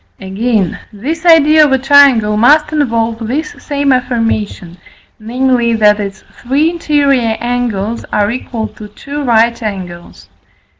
Again, this idea of a triangle must involve this same affirmation, namely, that its three interior angles are equal to two right angles.